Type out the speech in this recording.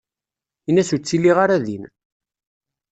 In-as ur ttiliɣ ara din.